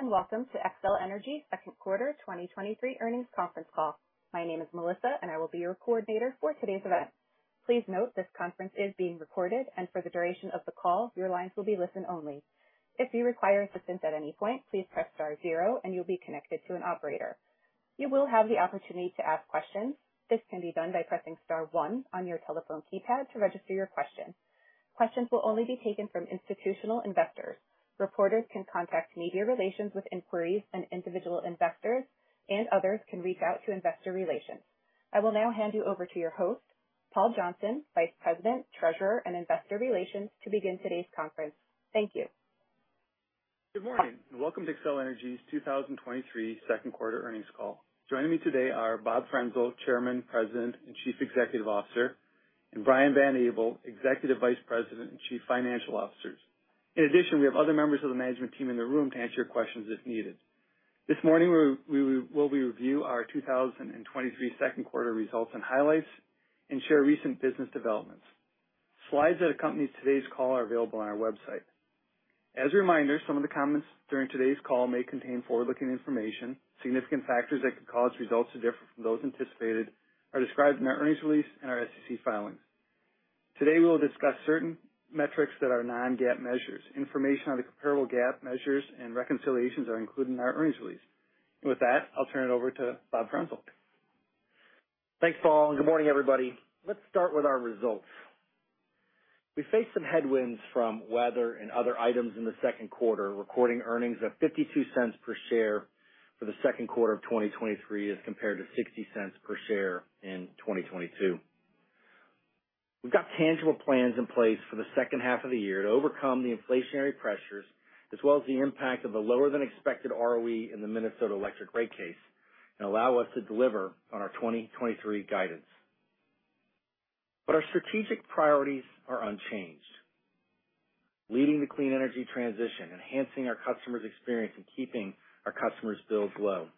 Hello and Welcome to Xcel Energy second quarter 2023 earnings conference call. My name is Melissa, and I will be your coordinator for today's event. Please note, this conference is being recorded, and for the duration of the call, your lines will be listen only. If you require assistance at any point, please press star 0, and you'll be connected to an operator. You will have the opportunity to ask questions. This can be done by pressing star 1 on your telephone keypad to register your question. Questions will only be taken from institutional investors. Reporters can contact media relations with inquiries, and individual investors and others can reach out to investor relations. I will now hand you over to your host, Paul Johnson, Vice President, Treasurer and Investor Relations, to begin today's conference. Thank you. Good morning, welcome to Xcel Energy's 2023 second quarter earnings call. Joining me today are Bob Frenzel, Chairman, President, and Chief Executive Officer, and Brian Van Abel, Executive Vice President and Chief Financial Officer. In addition, we will be review our 2023 second quarter results and highlights and share recent business developments. Slides that accompany today's call are available on our website. Some of the comments during today's call may contain forward-looking information. Significant factors that could cause results to differ from those anticipated are described in our earnings release and our SEC filings. We will discuss certain metrics that are non-GAAP measures. Information on the comparable GAAP measures and reconciliations are included in our earnings release. With that, I'll turn it over to Bob Frenzel. Thanks, Paul. Good morning, everybody. Let's start with our results. We faced some headwinds from weather and other items in the second quarter, recording earnings of $0.52 per share for the second quarter of 2023, as compared to $0.60 per share in 2022. We've got tangible plans in place for the second half of the year to overcome the inflationary pressures, as well as the impact of a lower than expected ROE in the Minnesota Electric Rate Case, allow us to deliver on our 2023 guidance. Our strategic priorities are unchanged: leading the clean energy transition, enhancing our customers' experience, and keeping our customers' bills low.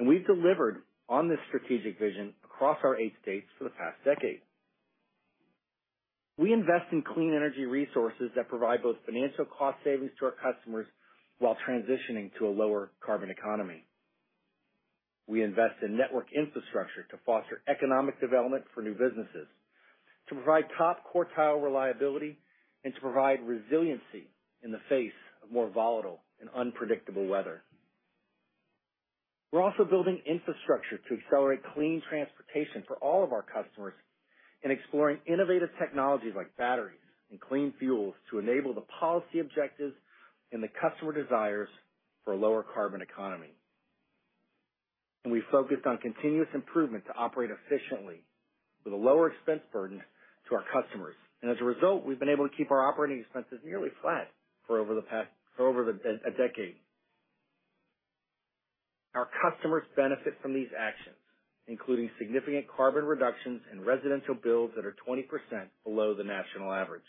We've delivered on this strategic vision across our eight states for the past decade. We invest in clean energy resources that provide both financial cost savings to our customers while transitioning to a lower carbon economy. We invest in network infrastructure to foster economic development for new businesses, to provide top quartile reliability, and to provide resiliency in the face of more volatile and unpredictable weather. We're also building infrastructure to accelerate clean transportation for all of our customers and exploring innovative technologies like batteries and clean fuels, to enable the policy objectives and the customer desires for a lower carbon economy. We've focused on continuous improvement to operate efficiently with a lower expense burden to our customers. As a result, we've been able to keep our operating expenses nearly flat for over a decade. Our customers benefit from these actions, including significant carbon reductions and residential bills that are 20% below the national average.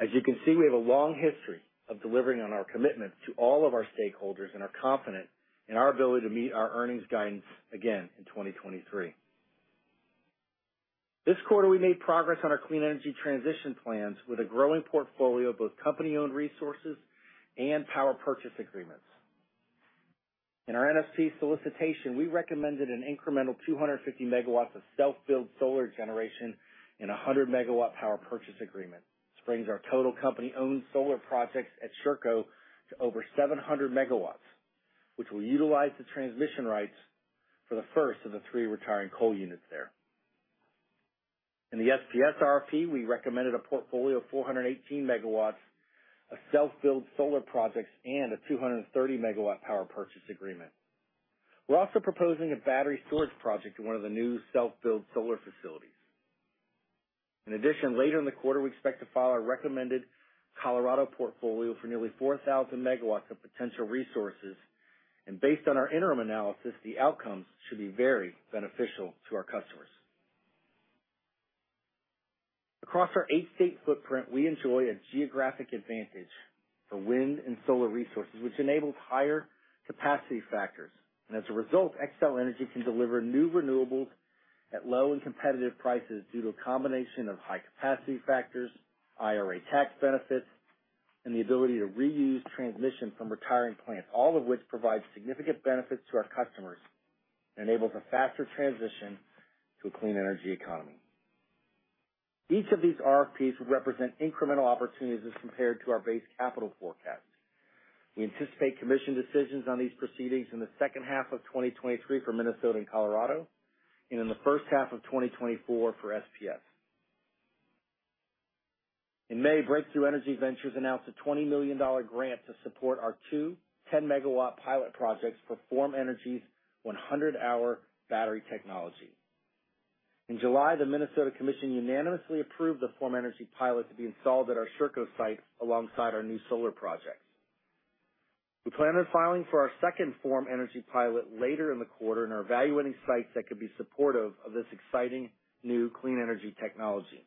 As you can see, we have a long history of delivering on our commitment to all of our stakeholders and are confident in our ability to meet our earnings guidance again in 2023. This quarter, we made progress on our clean energy transition plans with a growing portfolio of both company-owned resources and power purchase agreements. In our NSP solicitation, we recommended an incremental 250 MW of self-built solar generation and a 100-megawatt power purchase agreement. This brings our total company-owned solar projects at Sherco to over 700 MW, which will utilize the transmission rights for the first of the three retiring coal units there. In the SPS RFP, we recommended a portfolio of 418 MW of self-built solar projects and a 230-MW power purchase agreement. We're also proposing a battery storage project in one of the new self-built solar facilities. In addition, later in the quarter, we expect to file our recommended Colorado portfolio for nearly 4,000 MW of potential resources. Based on our interim analysis, the outcomes should be very beneficial to our customers. Across our 8-state footprint, we enjoy a geographic advantage for wind and solar resources, which enables higher capacity factors. As a result, Xcel Energy can deliver new renewables at low and competitive prices due to a combination of high capacity factors, IRA tax benefits, and the ability to reuse transmission from retiring plants, all of which provides significant benefits to our customers and enables a faster transition to a clean energy economy. Each of these RFPs represent incremental opportunities as compared to our base capital forecast. We anticipate commission decisions on these proceedings in the second half of 2023 for Minnesota and Colorado, and in the first half of 2024 for SPS. In May, Breakthrough Energy Catalyst announced a $20 million grant to support our 2 10 MW pilot projects for Form Energy's 100-hour battery technology. In July, the Minnesota Commission unanimously approved the Form Energy pilot to be installed at our Sherco site alongside our new solar projects. We plan on filing for our second Form Energy pilot later in the quarter and are evaluating sites that could be supportive of this exciting new clean energy technology.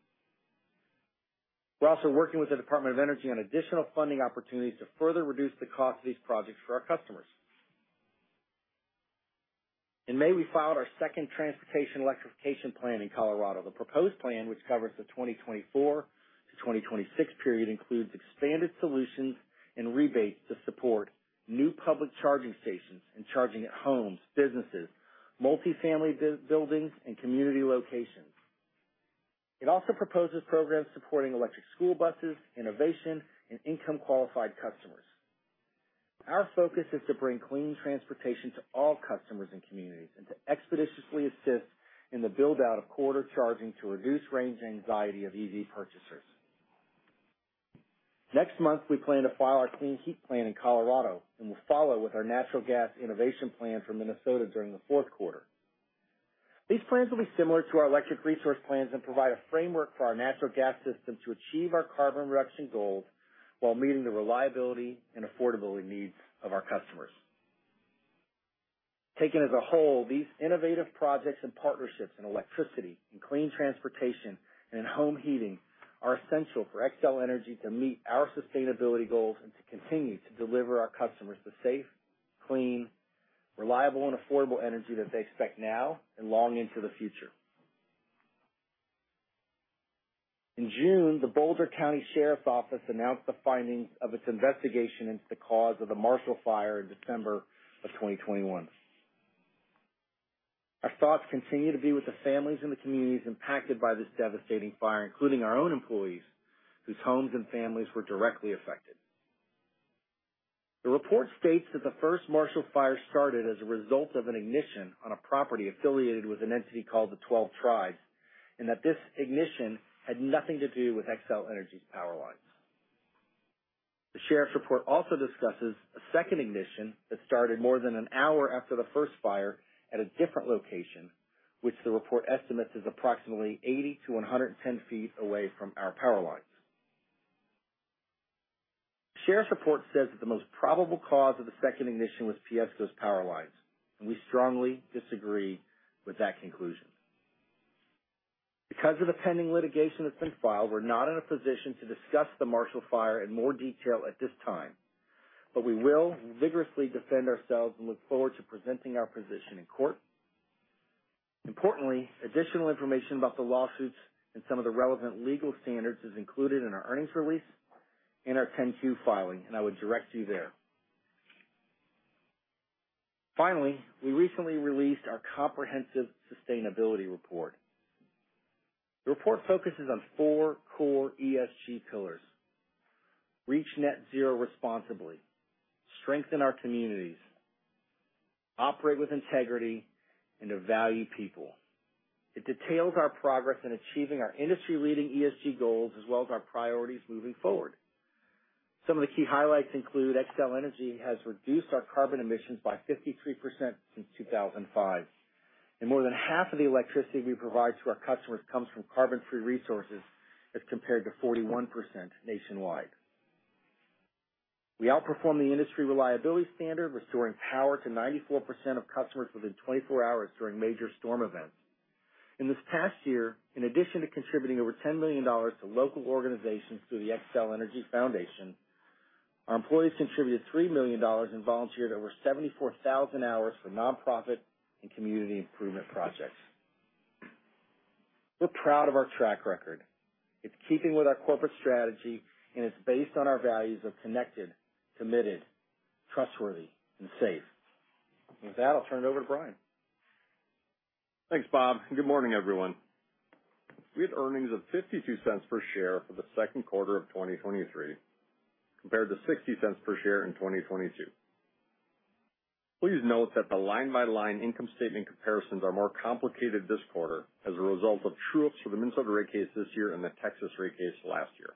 We're also working with the Department of Energy on additional funding opportunities to further reduce the cost of these projects for our customers. In May, we filed our second transportation electrification plan in Colorado. The proposed plan, which covers the 2024 to 2026 period, includes expanded solutions and rebates to support new public charging stations and charging at homes, businesses, multifamily buildings, and community locations. It also proposes programs supporting electric school buses, innovation, and income-qualified customers. Our focus is to bring clean transportation to all customers and communities, and to expeditiously assist in the build-out of corridor charging to reduce range anxiety of EV purchasers. Next month, we plan to file our clean heat plan in Colorado, and we'll follow with our natural gas innovation plan for Minnesota during the fourth quarter. These plans will be similar to our electric resource plans and provide a framework for our natural gas system to achieve our carbon reduction goals while meeting the reliability and affordability needs of our customers. Taken as a whole, these innovative projects and partnerships in electricity, in clean transportation, and in home heating are essential for Xcel Energy to meet our sustainability goals and to continue to deliver our customers the safe, clean, reliable, and affordable energy that they expect now and long into the future. In June, the Boulder County Sheriff's Office announced the findings of its investigation into the cause of the Marshall Fire in December of 2021. Our thoughts continue to be with the families and the communities impacted by this devastating fire, including our own employees, whose homes and families were directly affected. The report states that the first Marshall Fire started as a result of an ignition on a property affiliated with an entity called the Twelve Tribes, and that this ignition had nothing to do with Xcel Energy's power lines. The sheriff's report also discusses a second ignition that started more than an hour after the first fire at a different location, which the report estimates is approximately 80 to 110 feet away from our power lines. The sheriff's report says that the most probable cause of the second ignition was PSCo's power lines. We strongly disagree with that conclusion. Because of the pending litigation that's been filed, we're not in a position to discuss the Marshall Fire in more detail at this time. We will vigorously defend ourselves and look forward to presenting our position in court. Importantly, additional information about the lawsuits and some of the relevant legal standards is included in our earnings release and our 10-Q filing. I would direct you there. Finally, we recently released our comprehensive sustainability report. The report focuses on four core ESG pillars: reach Net Zero responsibly, strengthen our communities, operate with integrity, and to value people. It details our progress in achieving our industry-leading ESG goals, as well as our priorities moving forward. Some of the key highlights include: Xcel Energy has reduced our carbon emissions by 53% since 2005, and more than half of the electricity we provide to our customers comes from carbon-free resources, as compared to 41% nationwide. We outperform the industry reliability standard, restoring power to 94% of customers within 24 hours during major storm events. In this past year, in addition to contributing over $10 million to local organizations through the Xcel Energy Foundation, our employees contributed $3 million and volunteered over 74,000 hours for nonprofit and community improvement projects. We're proud of our track record. It's keeping with our corporate strategy, and it's based on our values of connected, committed, trustworthy, and safe. With that, I'll turn it over to Brian. Thanks, Bob. Good morning, everyone. We had earnings of $0.52 per share for the second quarter of 2023, compared to $0.60 per share in 2022. Please note that the line-by-line income statement comparisons are more complicated this quarter as a result of true-ups for the Minnesota rate case this year and the Texas rate case last year.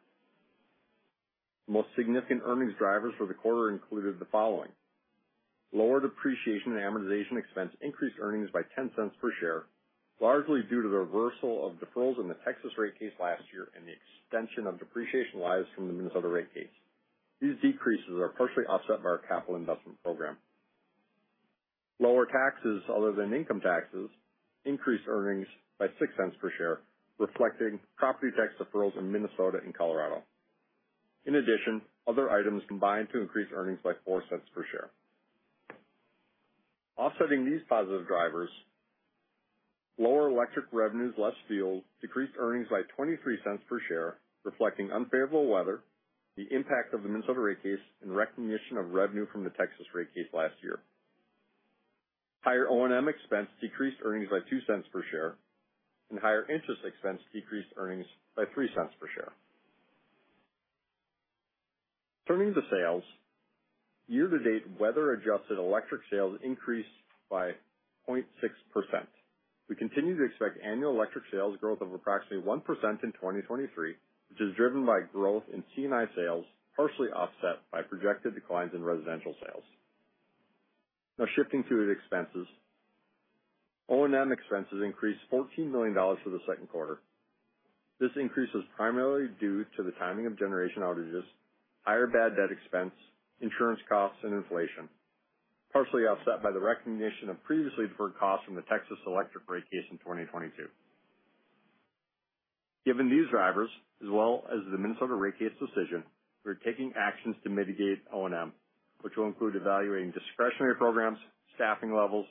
Most significant earnings drivers for the quarter included the following: Lower depreciation and amortization expense increased earnings by $0.10 per share, largely due to the reversal of deferrals in the Texas rate case last year and the extension of depreciation lives from the Minnesota rate case. These decreases are partially offset by our capital investment program. Lower taxes, other than income taxes, increased earnings by $0.06 per share, reflecting property tax deferrals in Minnesota and Colorado. In addition, other items combined to increase earnings by $0.04 per share. Offsetting these positive drivers, lower electric revenues, less fuel, decreased earnings by $0.23 per share, reflecting unfavorable weather, the impact of the Minnesota rate case, and recognition of revenue from the Texas rate case last year. Higher O&M expenses decreased earnings by $0.02 per share, and higher interest expense decreased earnings by $0.03 per share. Turning to sales. Year-to-date, weather-adjusted electric sales increased by 0.6%. We continue to expect annual electric sales growth of approximately 1% in 2023, which is driven by growth in C&I sales, partially offset by projected declines in residential sales. Now, shifting to the expenses. O&M expenses increased $14 million for the second quarter. This increase is primarily due to the timing of generation outages, higher bad debt expense, insurance costs, and inflation, partially offset by the recognition of previously deferred costs from the Texas electric rate case in 2022. Given these drivers, as well as the Minnesota Rate Case decision, we're taking actions to mitigate O&M, which will include evaluating discretionary programs, staffing levels,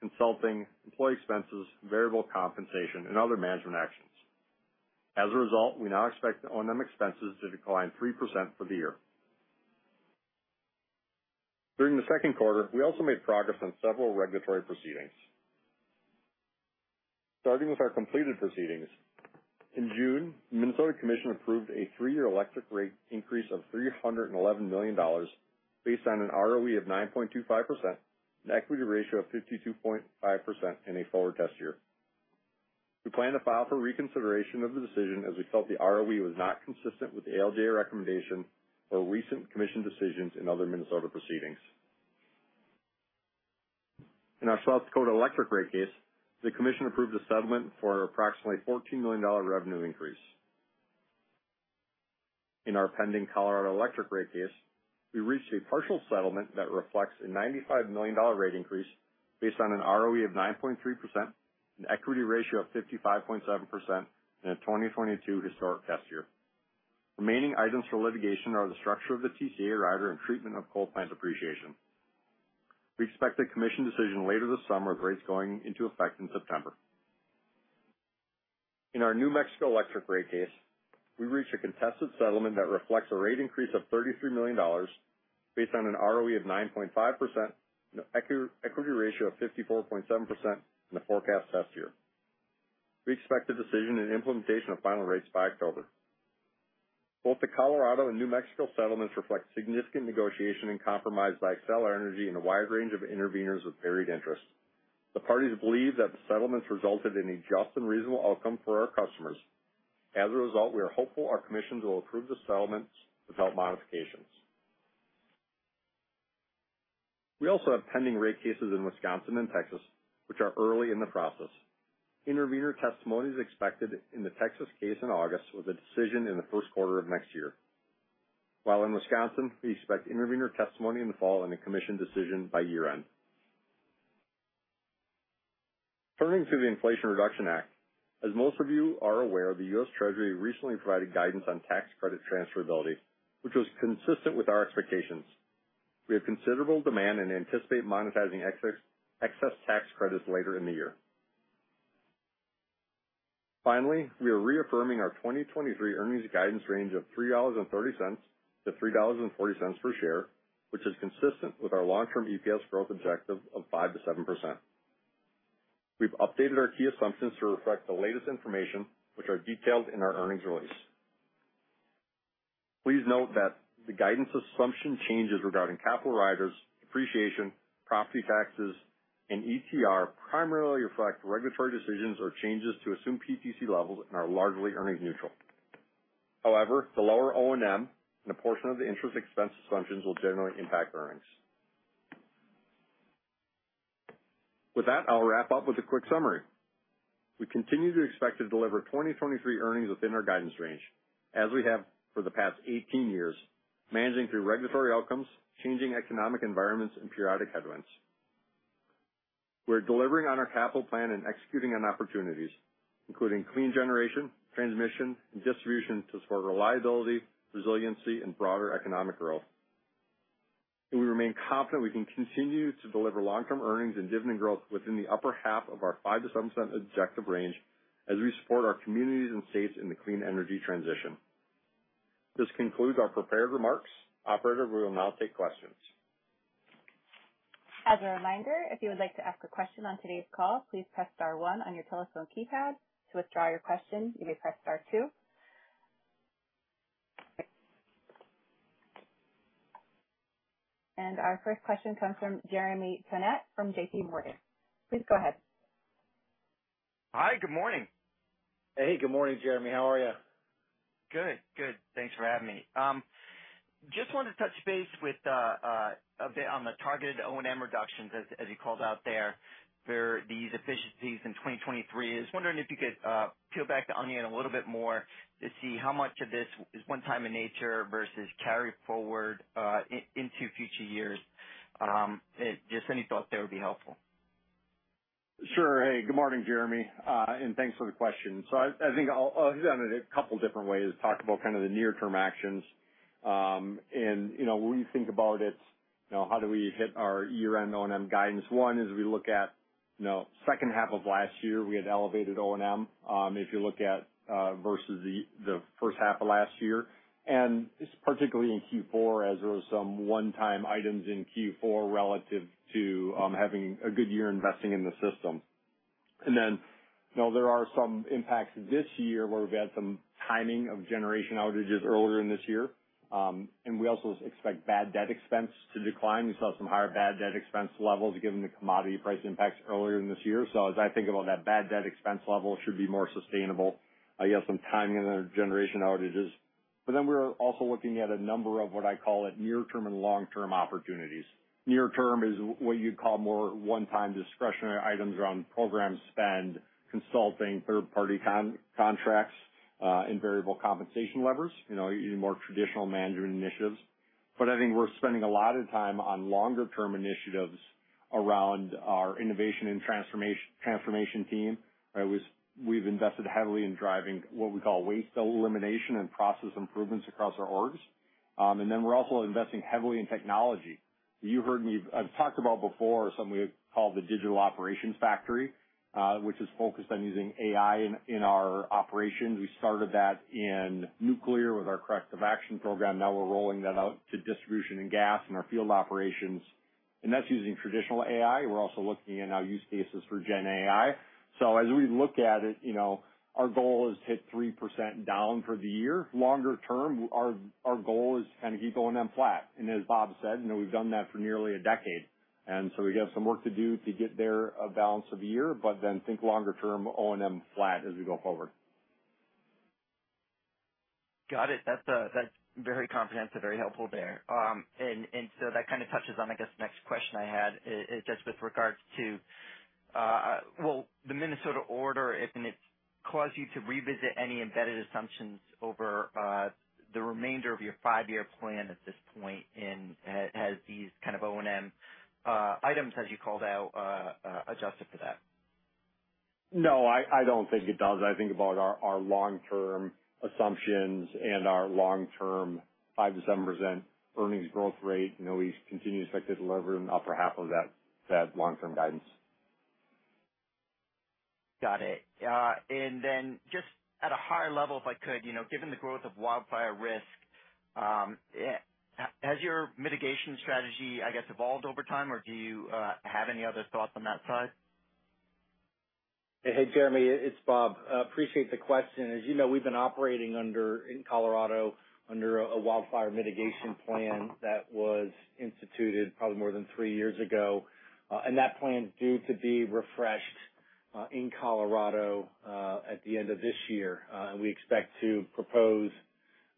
consulting, employee expenses, variable compensation, and other management actions. As a result, we now expect the O&M expenses to decline 3% for the year. During the second quarter, we also made progress on several regulatory proceedings. Starting with our completed proceedings, in June, the Minnesota Commission approved a three-year electric rate increase of $311 million based on an ROE of 9.25%, an equity ratio of 52.5%, and a forward test year. We plan to file for reconsideration of the decision as we felt the ROE was not consistent with the ALJ recommendation or recent Commission decisions in other Minnesota proceedings. In our South Dakota electric rate case, the Commission approved a settlement for approximately $14 million revenue increase. In our pending Colorado electric rate case, we reached a partial settlement that reflects a $95 million rate increase based on an ROE of 9.3%, an equity ratio of 55.7%, and a 2022 historic test year. Remaining items for litigation are the structure of the TCA rider and treatment of coal plant depreciation. We expect a Commission decision later this summer, with rates going into effect in September. In our New Mexico electric rate case, we reached a contested settlement that reflects a rate increase of $33 million based on an ROE of 9.5% and an equity ratio of 54.7% in the forecast test year. We expect a decision and implementation of final rates by October. Both the Colorado and New Mexico settlements reflect significant negotiation and compromise by Xcel Energy and a wide range of intervenors with varied interests. The parties believe that the settlements resulted in a just and reasonable outcome for our customers. We are hopeful our commissions will approve the settlements without modifications. We also have pending rate cases in Wisconsin and Texas, which are early in the process. Intervenor testimony is expected in the Texas case in August, with a decision in the first quarter of next year. While in Wisconsin, we expect intervenor testimony in the fall and a Commission decision by year-end. Turning to the Inflation Reduction Act, as most of you are aware, the US Treasury recently provided guidance on tax credit transferability, which was consistent with our expectations. We have considerable demand and anticipate monetizing excess tax credits later in the year. We are reaffirming our 2023 earnings guidance range of $3.30-$3.40 per share, which is consistent with our long-term EPS growth objective of 5%-7%. We've updated our key assumptions to reflect the latest information, which are detailed in our earnings release. Please note that the guidance assumption changes regarding capital riders, depreciation, property taxes, and ETR primarily reflect regulatory decisions or changes to assumed PTC levels and are largely earnings neutral. However, the lower O&M and a portion of the interest expense assumptions will generally impact earnings. With that, I'll wrap up with a quick summary. We continue to expect to deliver 2023 earnings within our guidance range, as we have for the past 18 years, managing through regulatory outcomes, changing economic environments, and periodic headwinds. We're delivering on our capital plan and executing on opportunities, including clean generation, transmission, and distribution to support reliability, resiliency, and broader economic growth. We remain confident we can continue to deliver long-term earnings and dividend growth within the upper half of our 5%-7% objective range as we support our communities and states in the clean energy transition. This concludes our prepared remarks. Operator, we will now take questions. As a reminder, if you would like to ask a question on today's call, please press star one on your telephone keypad. To withdraw your question, you may press star two. Our first question comes from Jeremy Tonet from J.P. Morgan. Please go ahead. Hi, good morning. Hey, good morning, Jeremy. How are you? Good. Thanks for having me. Just wanted to touch base with a bit on the targeted O&M reductions, as you called out there, for these efficiencies in 2023. I was wondering if you could peel back the onion a little bit more to see how much of this is one time in nature versus carry forward into future years? Just any thoughts there would be helpful. Sure. Hey, good morning, Jeremy. Thanks for the question. I think I'll explain it a couple different ways, talk about kind of the near-term actions. You know, when we think about it, you know, how do we hit our year-end O&M guidance? One is we look at, you know, second half of last year, we had elevated O&M. If you look at versus the first half of last year, and particularly in Q4, as there was some one-time items in Q4 relative to having a good year investing in the system. You know, there are some impacts this year where we've had some timing of generation outages earlier in this year. We also expect bad debt expense to decline. We saw some higher bad debt expense levels given the commodity price impacts earlier in this year. As I think about that bad debt expense level, it should be more sustainable. I guess, some timing in the generation outages. We're also looking at a number of what I call it near-term and long-term opportunities. Near term is what you'd call more one-time discretionary items around program spend, consulting, third-party contracts, and variable compensation levers, you know, your more traditional management initiatives. I think we're spending a lot of time on longer term initiatives around our innovation and transformation team. We've invested heavily in driving what we call waste elimination and process improvements across our orgs. And then we're also investing heavily in technology. You heard me, I've talked about before, something we call the Digital Operations Factory, which is focused on using AI in, in our operations. We started that in nuclear with our corrective action program. Now we're rolling that out to distribution and gas and our field operations, and that's using traditional AI. We're also looking at now use cases for Gen AI. As we look at it, you know, our goal is to hit 3% down for the year. Longer term, our goal is kind of keep O&M flat. As Bob said, you know, we've done that for nearly a decade, we have some work to do to get there, balance of the year, think longer term, O&M flat as we go forward. Got it. That's very comprehensive, very helpful there. That kind of touches on, I guess, the next question I had, is just with regards to, well, the Minnesota order, if it's caused you to revisit any embedded assumptions over the remainder of your five-year plan at this point, and has these kind of O&M items, as you called out, adjusted for that? No, I don't think it does. I think about our long-term assumptions and our long-term 5%-7% earnings growth rate. You know, we continue to expect to deliver in the upper half of that long-term guidance. Got it. Just at a high level, if I could, you know, given the growth of wildfire risk, has your mitigation strategy, I guess, evolved over time, or do you have any other thoughts on that side? Hey, Jeremy, it's Bob. Appreciate the question. As you know, we've been operating under, in Colorado, under a wildfire mitigation plan that was instituted probably more than 3 years ago. That plan is due to be refreshed in Colorado at the end of this year. We expect to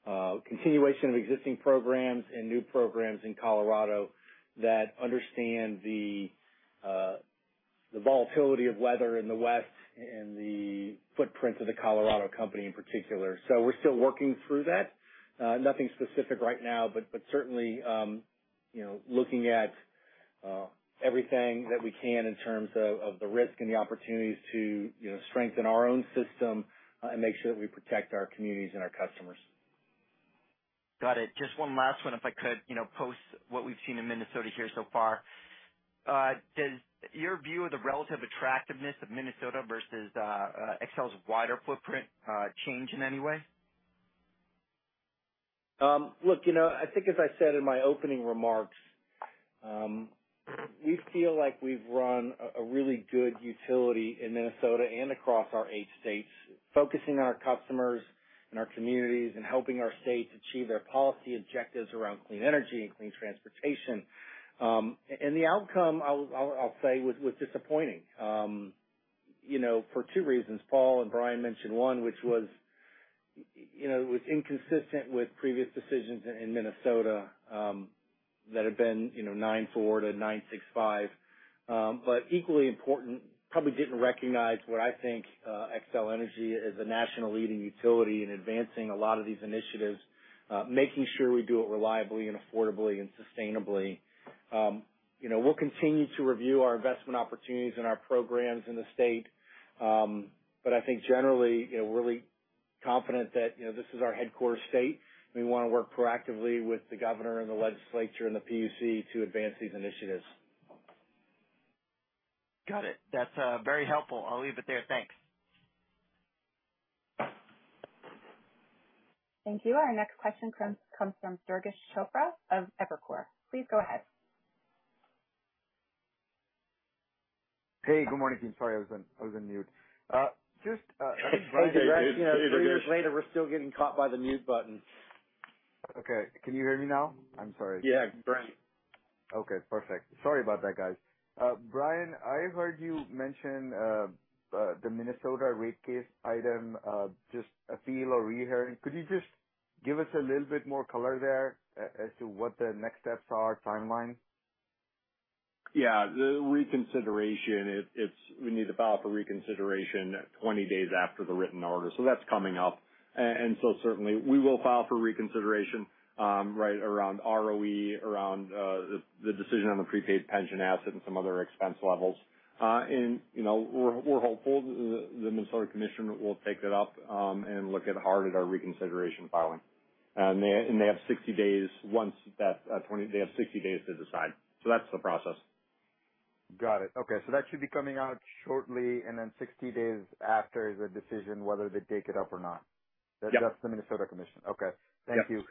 propose continuation of existing programs and new programs in Colorado that understand the volatility of weather in the west and the footprint of the Colorado company in particular. We're still working through that. Nothing specific right now, but certainly, you know, looking at everything that we can in terms of the risk and the opportunities to, you know, strengthen our own system and make sure that we protect our communities and our customers. Got it. Just one last one, if I could. You know, post what we've seen in Minnesota here so far, does your view of the relative attractiveness of Minnesota versus Xcel's wider footprint, change in any way? Look, you know, I think as I said in my opening remarks, we feel like we've run a really good utility in Minnesota and across our eight states, focusing on our customers and our communities, and helping our states achieve their policy objectives around clean energy and clean transportation. The outcome I'll say was disappointing, you know, for two reasons. Paul and Brian mentioned one, which was, you know, it was inconsistent with previous decisions in Minnesota, that had been, you know, 9.4%-9.65%. Equally important, probably didn't recognize what I think Xcel Energy is a national leading utility in advancing a lot of these initiatives, making sure we do it reliably and affordably and sustainably. You know, we'll continue to review our investment opportunities and our programs in the state, but I think generally, you know, we're really confident that, you know, this is our headquarter state, and we want to work proactively with the governor and the legislature and the PUC to advance these initiatives. Got it. That's very helpful. I'll leave it there. Thanks. Thank you. Our next question comes from Durgesh Chopra of Evercore. Please go ahead. Hey, good morning, team. Sorry, I was in mute. Three years later, we're still getting caught by the mute button. Okay. Can you hear me now? I'm sorry. Yeah, great. Okay, perfect. Sorry about that, guys. Brian, I heard you mention the Minnesota Rate Case item, just a feel or rehearing. Could you just give us a little bit more color there as to what the next steps are, timeline? The reconsideration, it's we need to file for reconsideration 20 days after the written order. That's coming up. certainly, we will file for reconsideration, right around ROE, around the decision on the prepaid pension asset and some other expense levels. you know, we're hopeful the Minnesota Commission will take that up and look hard at our reconsideration filing. They have 60 days once that they have 60 days to decide. That's the process. Got it. Okay. That should be coming out shortly, and then 60 days after the decision, whether they take it up or not? Yep. That's the Minnesota Commission. Okay. Yep. Thank you.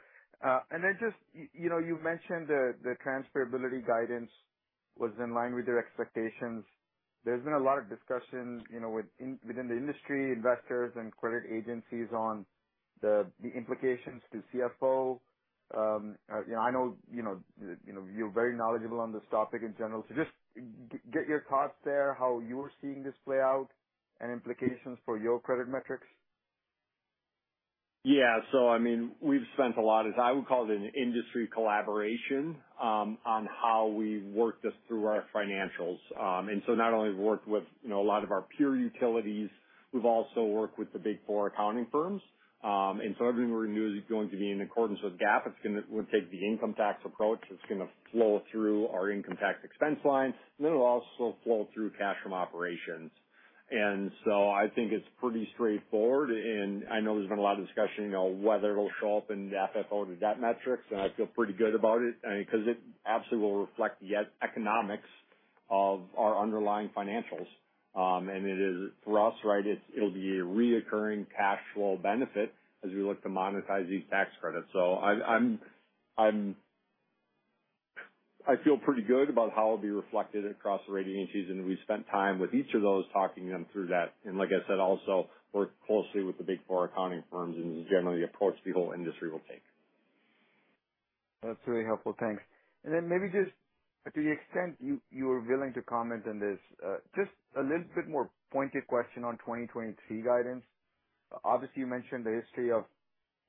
Then just, you know, you've mentioned the transferability guidance was in line with your expectations. There's been a lot of discussions, you know, within the industry, investors, and credit agencies on the implications to CFO. You know, I know, you know, you're very knowledgeable on this topic in general, so just get your thoughts there, how you're seeing this play out and implications for your credit metrics. I mean, we've spent a lot of, I would call it an industry collaboration, on how we work this through our financials. Not only have we worked with, you know, a lot of our peer utilities, we've also worked with the Big Four accounting firms. Everything we're going to do is going to be in accordance with GAAP. We'll take the income tax approach. It's gonna flow through our income tax expense line, and it'll also flow through cash from operations. I think it's pretty straightforward, and I know there's been a lot of discussion, you know, whether it'll show up in the FFO or the debt metrics, and I feel pretty good about it, 'cause it absolutely will reflect the economics of our underlying financials. It is for us, right, it's, it'll be a reoccurring cash flow benefit as we look to monetize these tax credits. I feel pretty good about how it'll be reflected across the rating agencies, and we spent time with each of those, talking them through that. Like I said, also work closely with the Big Four accounting firms. This is generally the approach the whole industry will take. That's really helpful. Thanks. Maybe just to the extent you are willing to comment on this, just a little bit more pointed question on 2023 guidance. Obviously, you mentioned the history of,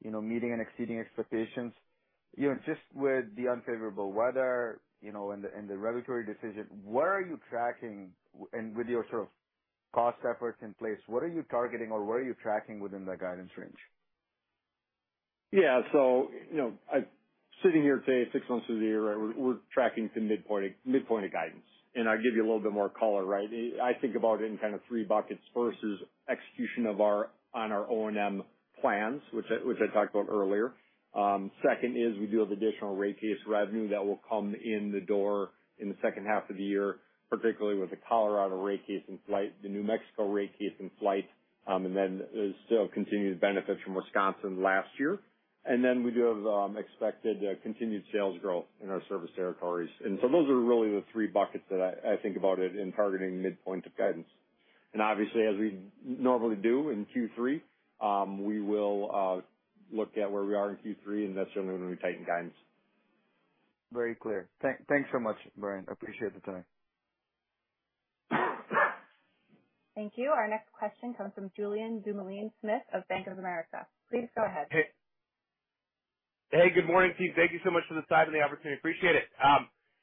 you know, meeting and exceeding expectations. You know, just with the unfavorable weather, you know, and the regulatory decision, where are you tracking? With your sort of cost efforts in place, what are you targeting or where are you tracking within the guidance range? Yeah, so, you know, I sitting here today, six months of the year, we're, we're tracking to midpoint, midpoint of guidance, and I'll give you a little bit more color, right? I, I think about it in kind of three buckets. First is execution of our, on our O&M plans, which I, which I talked about earlier. Second is we do have additional rate case revenue that will come in the door in the second half of the year, particularly with the Colorado rate case in flight, the New Mexico rate case in flight, there's still continued benefits from Wisconsin last year. We do have, expected, continued sales growth in our service territories. Those are really the three buckets that I, I think about it in targeting midpoint of guidance. Obviously, as we normally do in Q3, we will look at where we are in Q3. That's certainly when we tighten guidance. Very clear. Thanks so much, Brian. Appreciate the time. Thank you. Our next question comes from Julien Dumoulin-Smith of Bank of America. Please go ahead. Hey. Hey, good morning, team. Thank you so much for the time and the opportunity. Appreciate it.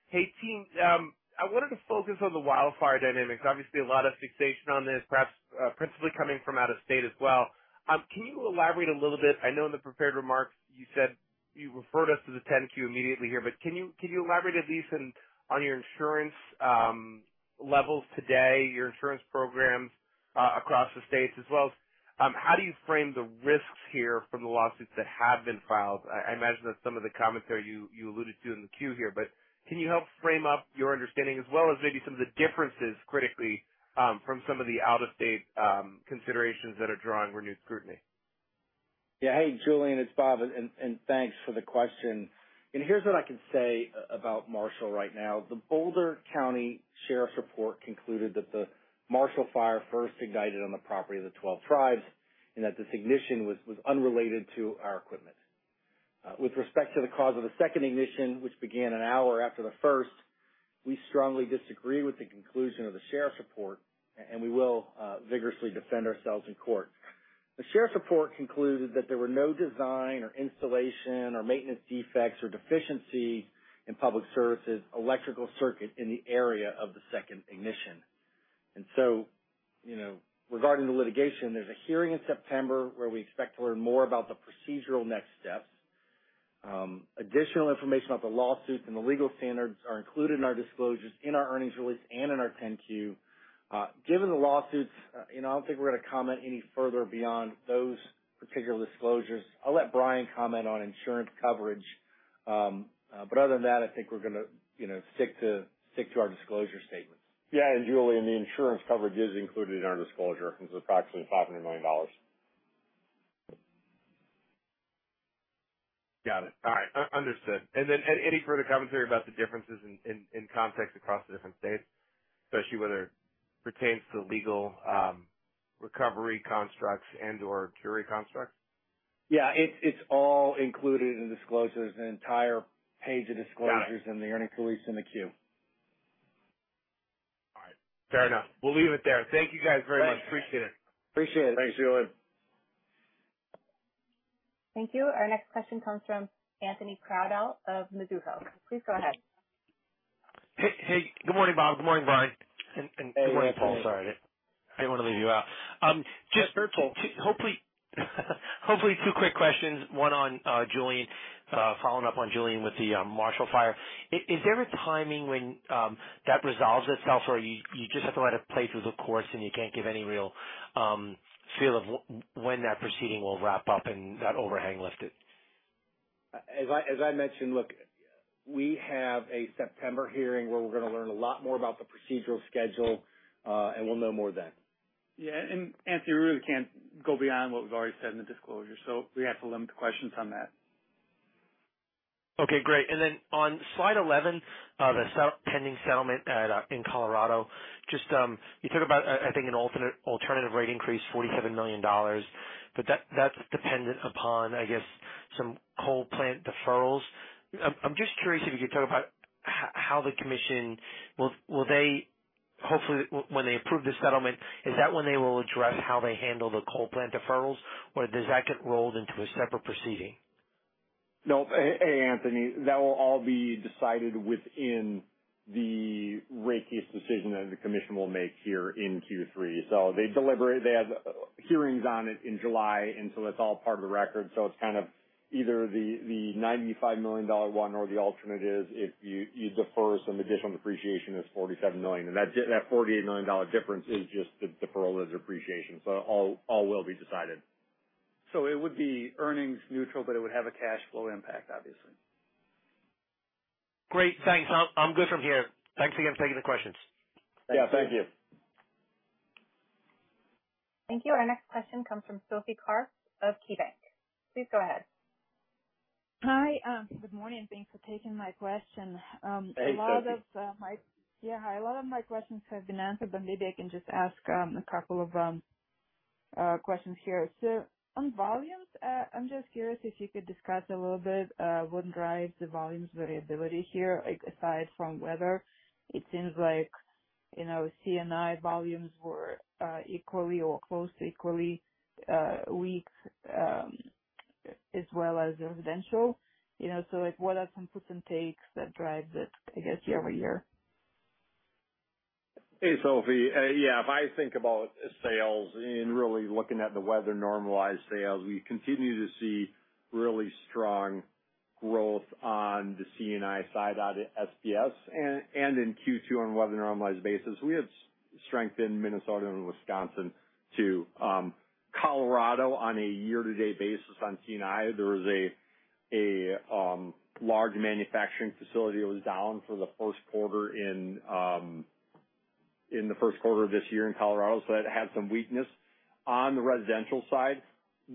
Hey, team, I wanted to focus on the wildfire dynamics. Obviously, a lot of fixation on this, perhaps, principally coming from out of state as well. Can you elaborate a little bit? I know in the prepared remarks, you said you referred us to the 10-Q immediately here, but can you elaborate at least on your insurance levels today, your insurance programs across the states, as well as, how do you frame the risks here from the lawsuits that have been filed? I imagine that some of the commentary you alluded to in the Q here, but can you help frame up your understanding as well as maybe some of the differences critically, from some of the out-of-state considerations that are drawing renewed scrutiny? Yeah. Hey, Julien, it's Bob, and thanks for the question. Here's what I can say about Marshall right now. The Boulder County Sheriff's report concluded that the Marshall Fire first ignited on the property of the Twelve Tribes and that this ignition was unrelated to our equipment. With respect to the cause of the second ignition, which began 1 hour after the first, we strongly disagree with the conclusion of the sheriff's report, and we will vigorously defend ourselves in court. The sheriff's report concluded that there were no design or installation or maintenance defects or deficiencies in Public Service' electrical circuit in the area of the second ignition. So, you know, regarding the litigation, there's a hearing in September where we expect to learn more about the procedural next steps. Additional information about the lawsuits and the legal standards are included in our disclosures, in our earnings release, and in our 10-Q. Given the lawsuits, you know, I don't think we're going to comment any further beyond those particular disclosures. I'll let Brian comment on insurance coverage, other than that, I think we're gonna, you know, stick to our disclosure statements. Yeah, Julien, the insurance coverage is included in our disclosure. It's approximately $500 million. Got it. All right. Understood. Any further commentary about the differences in context across the different states, especially whether it pertains to legal recovery constructs and/or jury constructs? Yeah, it's all included in the disclosures, an entire page of disclosures. Got it. In the earnings release in the Q. Fair enough. We'll leave it there. Thank you, guys, very much. Thanks. Appreciate it. Appreciate it. Thanks, Julien. Thank you. Our next question comes from Anthony Crowdell out of Mizuho. Please go ahead. Hey, hey, good morning, Bob. Good morning, Brian, and good morning, Paul. Sorry, I didn't want to leave you out. Sure, Paul. hopefully two quick questions. One on Julian, following up on Julian with the Marshall Fire. Is there a timing when that resolves itself or you just have to let it play through the course and you can't give any real feel of when that proceeding will wrap up and that overhang lifted? As I mentioned, look, we have a September hearing where we're going to learn a lot more about the procedural schedule. We'll know more then. Yeah, Anthony, we really can't go beyond what we've already said in the disclosure, so we have to limit the questions on that. Okay, great. On slide 11, the pending settlement at in Colorado, just, you talk about, I think an alternative rate increase, $47 million, that's dependent upon, I guess, some coal plant deferrals. I'm just curious if you could talk about how the commission will they Hopefully, when they approve the settlement, is that when they will address how they handle the coal plant deferrals, or does that get rolled into a separate proceeding? Nope. Anthony, that will all be decided within the rate case decision that the commission will make here in Q3. They deliberate. They had hearings on it in July, that's all part of the record. It's kind of either the, the $95 million one or the alternate is if you, you defer some additional depreciation, it's $47 million. That $48 million difference is just the, the prior years' depreciation. All will be decided. It would be earnings neutral, but it would have a cash flow impact, obviously. Great, thanks. I'm good from here. Thanks again for taking the questions. Yeah, thank you. Thank you. Our next question comes from Sophie Karp of KeyBanc. Please go ahead. Hi, good morning, and thanks for taking my question. Hey, Sophie. Yeah, hi. A lot of my questions have been answered, but maybe I can just ask a couple of questions here. On volumes, I'm just curious if you could discuss a little bit what drives the volumes variability here, aside from weather? It seems like, you know, C&I volumes were equally or close to equally weak as well as residential. You know, like, what are some puts and takes that drives it, I guess, year-over-year? Hey, Sophie. Yeah, if I think about sales in really looking at the weather normalized sales, we continue to see really strong growth on the C&I side, out at SPS, and in Q2 on a weather normalized basis. We have strength in Minnesota and Wisconsin, too. Colorado, on a year-to-date basis on C&I, there was a large manufacturing facility that was down for the first quarter in the first quarter of this year in Colorado, that had some weakness. On the residential side,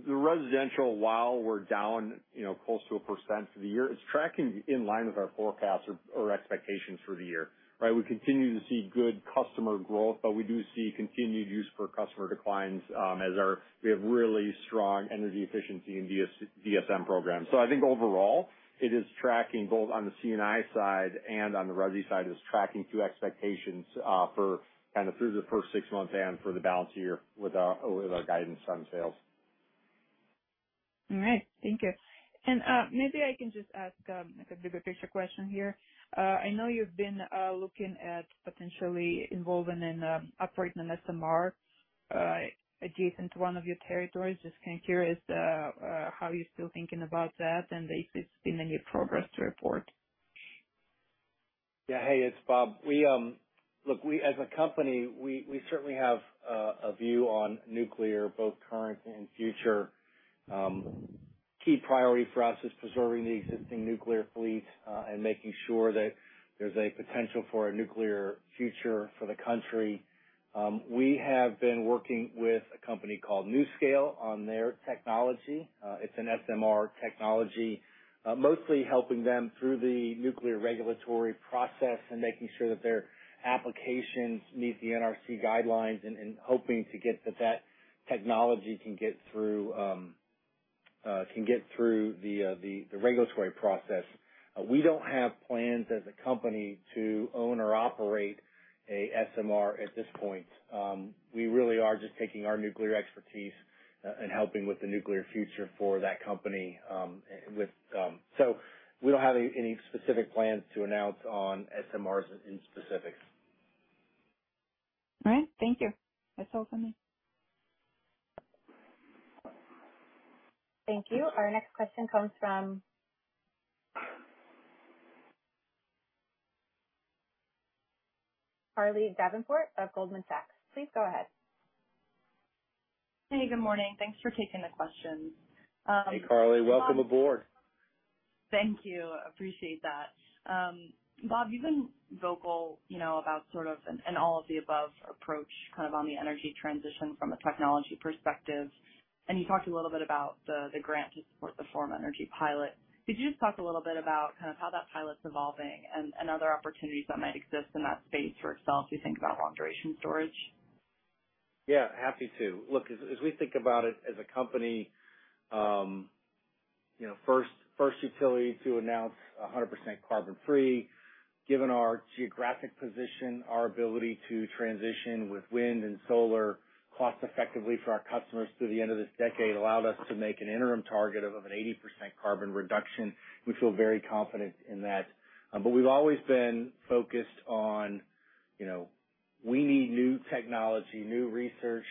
the residential, while we're down, you know, close to a % for the year, it's tracking in line with our forecast or expectations for the year, right? We continue to see good customer growth, we do see continued use for customer declines, as our... We have really strong energy efficiency and DSM program. I think overall it is tracking both on the C&I side and on the resi side, it is tracking to expectations for through the first 6 months and for the balance year with our, with our guidance on sales. All right. Thank you. Maybe I can just ask like a bigger picture question here. I know you've been looking at potentially involving in operating an SMR adjacent to one of your territories. Just kind of curious how you're still thinking about that and if it's been any progress to report? Yeah. Hey, it's Bob. Look, we as a company, we certainly have a view on nuclear, both current and future. Key priority for us is preserving the existing nuclear fleet and making sure that there's a potential for a nuclear future for the country. We have been working with a company called NuScale on their technology. It's an SMR technology, mostly helping them through the nuclear regulatory process and making sure that their applications meet the NRC guidelines and hoping to get that technology can get through the regulatory process. We don't have plans as a company to own or operate a SMR at this point. We really are just taking our nuclear expertise and helping with the nuclear future for that company, with. We don't have any specific plans to announce on SMRs in specifics. All right. Thank you. That's all for me. Thank you. Our next question comes from Carly Davenport of Goldman Sachs. Please go ahead. Hey, good morning. Thanks for taking the question. Hey, Carly, welcome aboard. Thank you. Appreciate that. Bob, you've been vocal, you know, about sort of an all-of-the-above approach, kind of on the energy transition from a technology perspective. You talked a little bit about the grant to support the Form Energy pilot. Could you just talk a little bit about kind of how that pilot's evolving and other opportunities that might exist in that space for itself, you think about long-duration storage? Yeah, happy to. Look, as we think about it as a company, you know, first utility to announce 100% carbon free. Given our geographic position, our ability to transition with wind and solar cost effectively for our customers through the end of this decade, allowed us to make an interim target of an 80% carbon reduction. We feel very confident in that. We've always been focused on, you know, we need new technology, new research,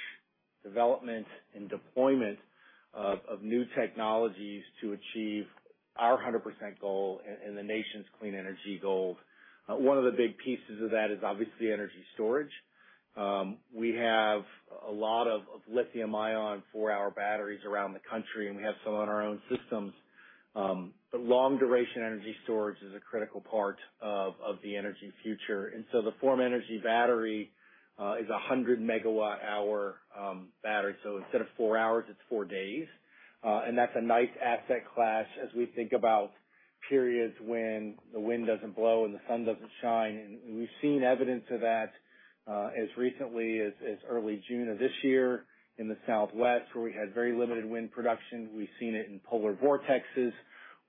development, and deployment of new technologies to achieve our 100% goal and the nation's clean energy goal. One of the big pieces of that is obviously energy storage. We have a lot of lithium ion for our batteries around the country, and we have some on our own systems. Long-duration energy storage is a critical part of the energy future. The Form Energy battery is a 100 megawatt hour battery. Instead of 4 hours, it's 4 days. That's a nice asset class as we think about periods when the wind doesn't blow and the sun doesn't shine. We've seen evidence of that as recently as early June of this year in the Southwest, where we had very limited wind production. We've seen it in polar vortexes,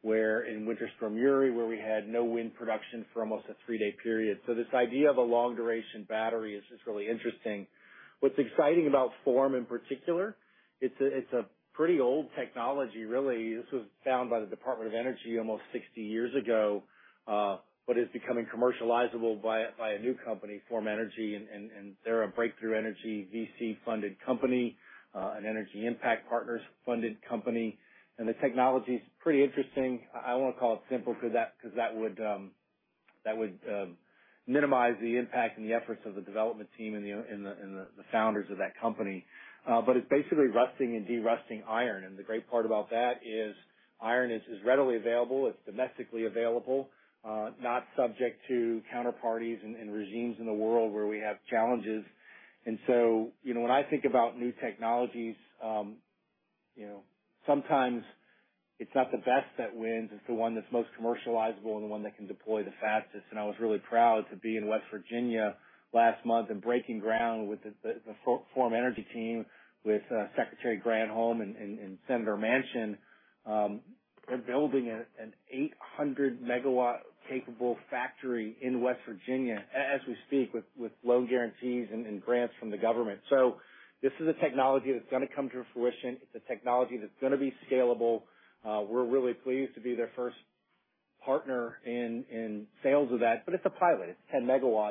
where in Winter Storm Uri, where we had no wind production for almost a 3-day period. This idea of a long-duration battery is just really interesting. What's exciting about Form in particular. It's a pretty old technology, really. This was found by the Department of Energy almost 60 years ago, but is becoming commercializable by a new company, Form Energy. They're a Breakthrough Energy VC-funded company, an Energy Impact Partners-funded company. The technology is pretty interesting. I won't call it simple, because that would minimize the impact and the efforts of the development team and the founders of that company. It's basically rusting and derusting iron, and the great part about that is iron is readily available, it's domestically available, not subject to counterparties and regimes in the world where we have challenges. You know, when I think about new technologies, you know, sometimes it's not the best that wins, it's the one that's most commercializable and the one that can deploy the fastest. I was really proud to be in West Virginia last month and breaking ground with the Form Energy team, with Secretary Granholm and Senator Manchin. They're building an 800 megawatt-capable factory in West Virginia as we speak, with loan guarantees and grants from the government. This is a technology that's going to come to fruition. It's a technology that's going to be scalable. We're really pleased to be their first partner in sales of that. It's a pilot. It's 10 MW,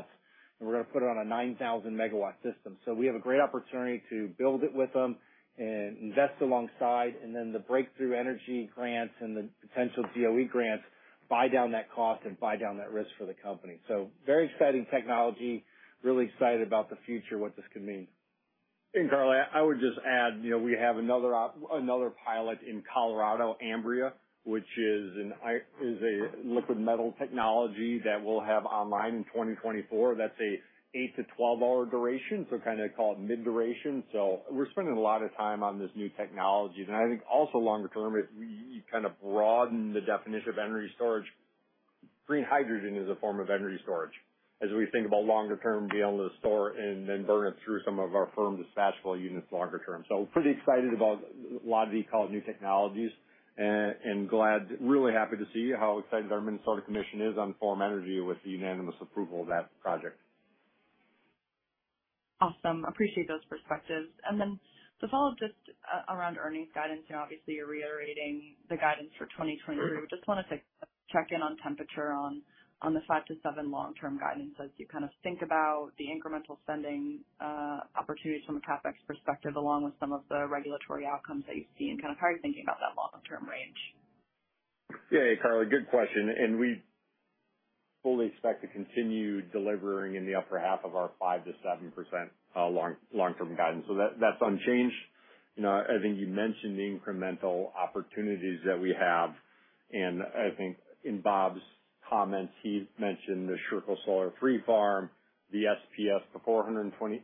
and we're going to put it on a 9,000 megawatt system. We have a great opportunity to build it with them and invest alongside, and the Breakthrough Energy grants and the potential DOE grants buy down that cost and buy down that risk for the company. Very exciting technology, really excited about the future, what this could mean. Carla, I would just add, you know, we have another pilot in Colorado, Ambri, which is a liquid metal technology that we'll have online in 2024. That's a 8 to 12-hour duration, so kind of called mid duration. We're spending a lot of time on this new technology. I think also longer term, if we kind of broaden the definition of energy storage, green hydrogen is a form of energy storage. As we think about longer term, being able to store and then burn it through some of our firm's dispatchable units longer term. We're pretty excited about a lot of the called new technologies, and really happy to see how excited our Minnesota Commission is on Form Energy, with the unanimous approval of that project. Awesome. Appreciate those perspectives. Then to follow up, just around earnings guidance, you know, obviously you're reiterating the guidance for 2023. Sure. Just wanted to check in on temperature on the five to seven long-term guidance as you kind of think about the incremental spending opportunities from a CapEx perspective, along with some of the regulatory outcomes that you've seen, kind of how you're thinking about that long-term range. Yeah, Carla, good question. We fully expect to continue delivering in the upper half of our 5%-7% long-term guidance. That's unchanged. You know, I think you mentioned the incremental opportunities that we have, and I think in Bob's comments, he mentioned the Sherco Solar 3 farm, the SPS, the 418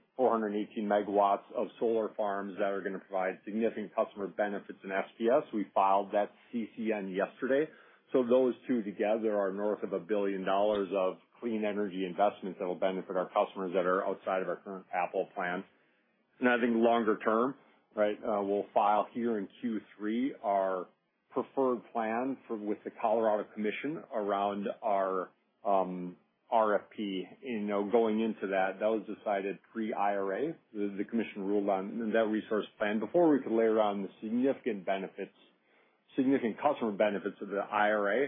MW of solar farms that are going to provide significant customer benefits in SPS. We filed that CCN yesterday. Those two together are north of $1 billion of clean energy investments that will benefit our customers that are outside of our current capital plan. I think longer term, right, we'll file here in Q3 our preferred plan for with the Colorado Commission around our RFP. You know, going into that, that was decided pre-IRA. The commission ruled on that resource plan before we could layer on the significant benefits, significant customer benefits of the IRA.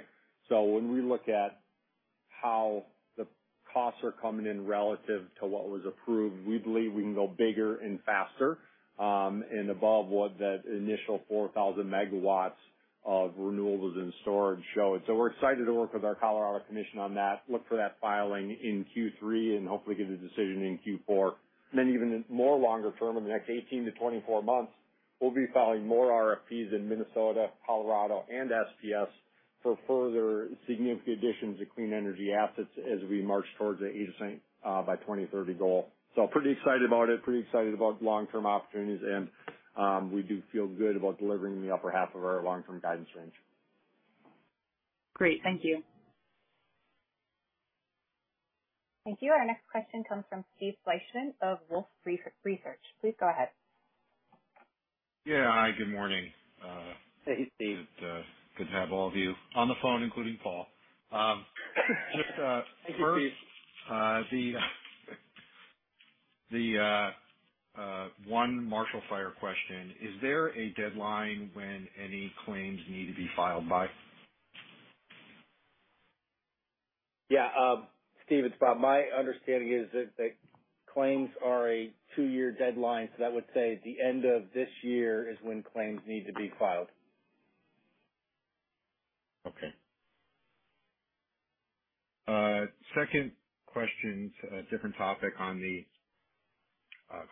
When we look at how the costs are coming in relative to what was approved, we believe we can go bigger and faster, and above what that initial 4,000 MW of renewables and storage showed. We're excited to work with our Colorado Commission on that, look for that filing in Q3 and hopefully get a decision in Q4. Even in more longer term, in the next 18-24 months, we'll be filing more RFPs in Minnesota, Colorado and SPS for further significant additions to clean energy assets as we march towards the 80% by 2030 goal. Pretty excited about it, pretty excited about long-term opportunities, and we do feel good about delivering the upper half of our long-term guidance range. Great. Thank you. Thank you. Our next question comes from Steve Fleishman of Wolfe Research. Please go ahead. Yeah. Hi, good morning. Hey, Steve. good to have all of you on the phone, including Paul. just. Thank you, Steve. The 1 Marshall Fire question: Is there a deadline when any claims need to be filed by? Steve, it's Bob. My understanding is that claims are a 2-year deadline, so that would say the end of this year is when claims need to be filed. Okay. Second question, different topic on the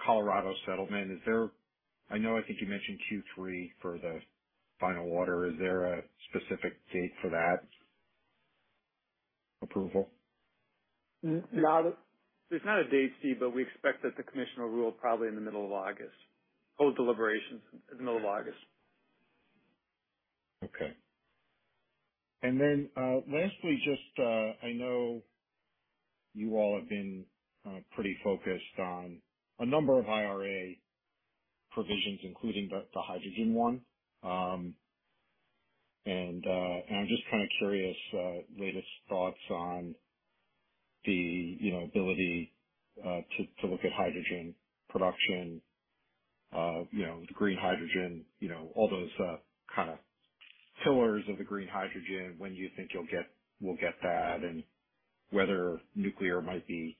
Colorado settlement. I know, I think you mentioned Q3 for the final order. Is there a specific date for that approval? Not, there's not a date, Steve. We expect that the commissioner will rule probably in the middle of August. Hold deliberations in the middle of August. Okay. lastly, just, I know you all have been, pretty focused on a number of IRA provisions, including the, the hydrogen one. I'm just kind of curious, latest thoughts on the, you know, ability, to, to look at hydrogen production, you know, with green hydrogen, you know, all those, kind of pillars of the green hydrogen. When do you think we'll get that? And whether nuclear might be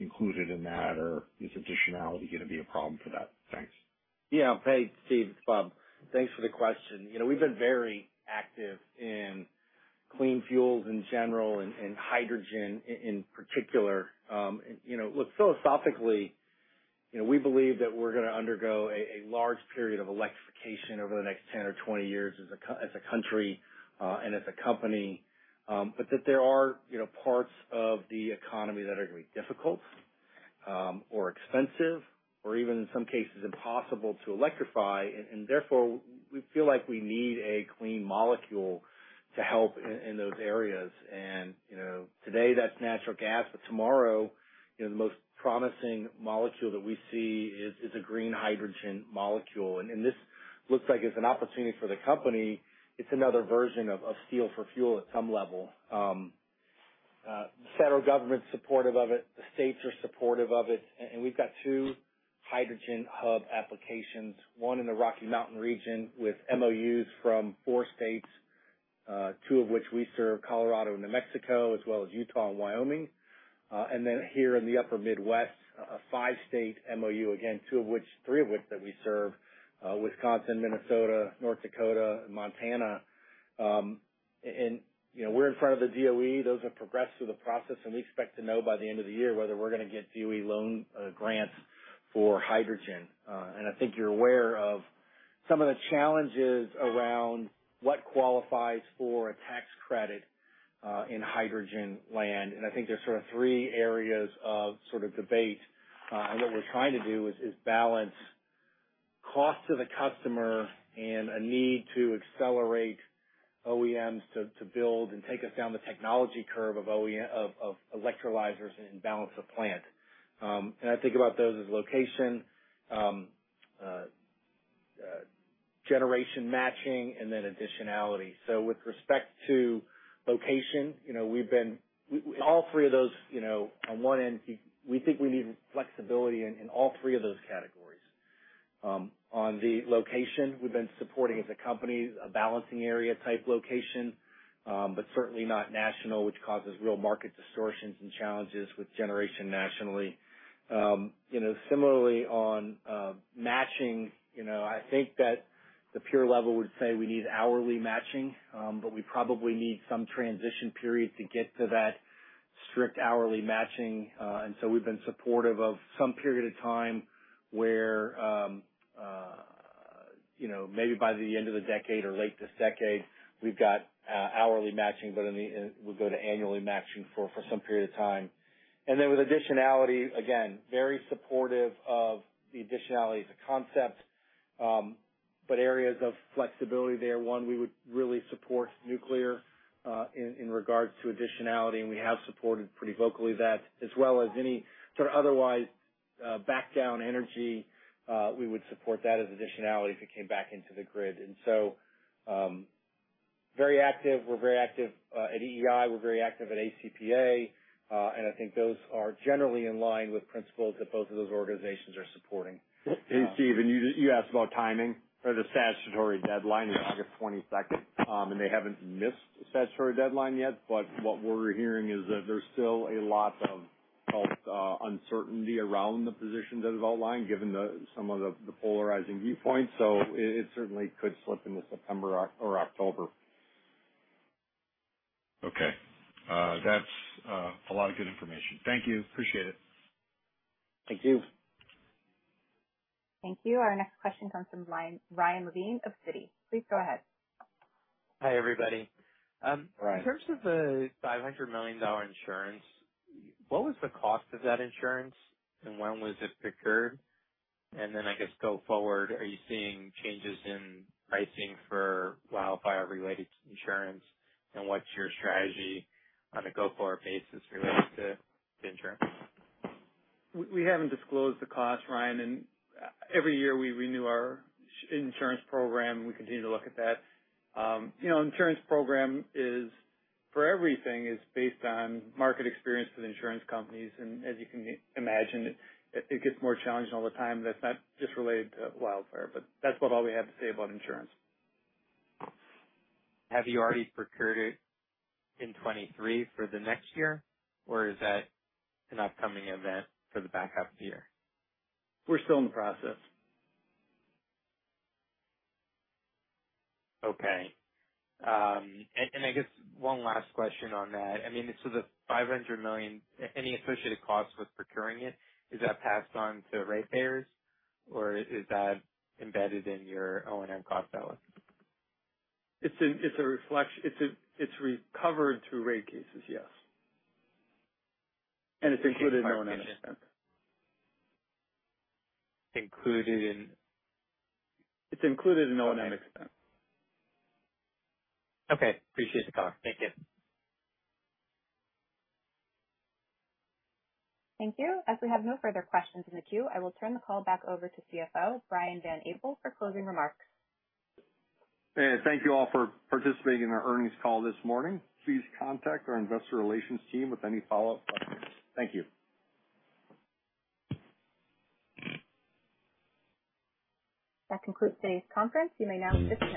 included in that, or is additionality gonna be a problem for that? Thanks. Yeah. Hey, Steve, it's Bob. Thanks for the question. You know, we've been very active in clean fuels in general, and hydrogen in particular. You know, look, philosophically, you know, we believe that we're gonna undergo a large period of electrification over the next 10 or 20 years as a country and as a company. That there are, you know, parts of the economy that are going to be difficult, or expensive, or even in some cases, impossible to electrify. Therefore, we feel like we need a clean molecule to help in those areas. Today that's natural gas, but tomorrow, you know, the most promising molecule that we see is a green hydrogen molecule. This looks like it's an opportunity for the company. It's another version of steel for fuel at some level. The federal government's supportive of it, the states are supportive of it, and we've got 2 hydrogen hub applications, one in the Rocky Mountain region, with MOUs from 4 states, two of which we serve Colorado and New Mexico, as well as Utah and Wyoming. Here in the upper Midwest, a 5-state MOU, again, three of which that we serve, Wisconsin, Minnesota, North Dakota, and Montana. You know, we're in front of the DOE. Those have progressed through the process, and we expect to know by the end of the year whether we're gonna get DOE loan grants for hydrogen. I think you're aware of some of the challenges around what qualifies for a tax credit in hydrogen land. I think there's sort of three areas of sort of debate. What we're trying to do is balance cost to the customer and a need to accelerate OEMs to build and take us down the technology curve of electrolyzers and balance of plant. I think about those as location, generation matching, and then additionality. With respect to location, you know, we've been all three of those, you know, on one end, we think we need flexibility in all three of those categories. On the location, we've been supporting as a company, a balancing area type location, but certainly not national, which causes real market distortions and challenges with generation nationally. You know, similarly on matching, you know, I think that the pure level would say we need hourly matching, but we probably need some transition period to get to that strict hourly matching. We've been supportive of some period of time where, you know, maybe by the end of the decade or late this decade, we've got hourly matching, but in the end, we go to annually matching for some period of time. Then with additionality, again, very supportive of the additionality as a concept, but areas of flexibility there, one, we would really support nuclear, in regards to additionality, and we have supported pretty vocally that, as well as any sort of otherwise, back down energy, we would support that as additionality if it came back into the grid. Very active. We're very active at EEI, we're very active at ACP, I think those are generally in line with principles that both of those organizations are supporting. Hey, Steve, you asked about timing. The statutory deadline is August 22nd. They haven't missed the statutory deadline yet, what we're hearing is that there's still a lot of uncertainty around the position that is outlined, given some of the polarizing viewpoints. It certainly could slip into September or October. Okay. That's a lot of good information. Thank you. Appreciate it. Thank you. Thank you. Our next question comes from Ryan Levine of Citi. Please go ahead. Hi, everybody. Hi. In terms of the $500 million insurance, what was the cost of that insurance and when was it procured? I guess, go forward, are you seeing changes in pricing for wildfire-related insurance, and what's your strategy on a go-forward basis related to the insurance? We haven't disclosed the cost, Ryan, every year we renew our insurance program. We continue to look at that. You know, insurance program is, for everything, is based on market experience with insurance companies, as you can imagine, it gets more challenging all the time. That's not just related to wildfire, that's what all we have to say about insurance. Have you already procured it in 2023 for the next year, or is that an upcoming event for the backup year? We're still in the process. Okay. I guess one last question on that. I mean, the $500 million, any associated costs with procuring it, is that passed on to ratepayers, or is that embedded in your O&M cost balance? It's recovered through rate cases, yes. It's included in O&M expense. Included in? It's included in O&M expense. Okay. Appreciate the call. Thank you. Thank you. As we have no further questions in the queue, I will turn the call back over to CFO, Brian Van Abel, for closing remarks. Hey, thank you all for participating in our earnings call this morning. Please contact our investor relations team with any follow-up questions. Thank you. That concludes today's conference. You may now disconnect.